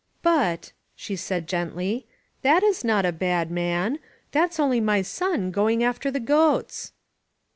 "But," she said gently, "that is not a bad man. That's only my son going after the goats."